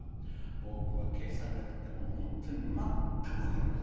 僕は計算尺って本当に全く分かりません。